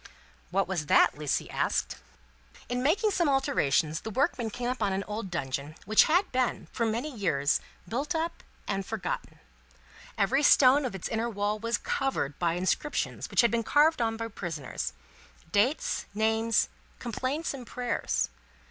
"What was that?" Lucie asked. "In making some alterations, the workmen came upon an old dungeon, which had been, for many years, built up and forgotten. Every stone of its inner wall was covered by inscriptions which had been carved by prisoners dates, names, complaints, and prayers.